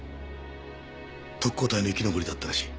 特攻隊の生き残りだったらしい。